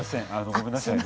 ごめんなさいね。